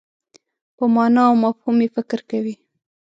په مانا او مفهوم یې فکر کوي.